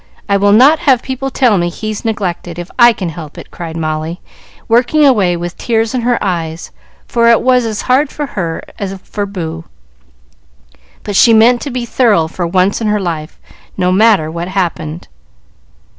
I will not have people tell me he's neglected, if I can help it," cried Molly, working away with tears in her eyes for it was as hard for her as for Boo; but she meant to be thorough for once in her life, no matter what happened.